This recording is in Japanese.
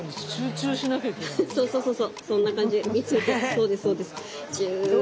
そうですそうです。